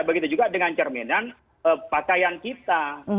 begitu juga dengan cerminan pakaian kita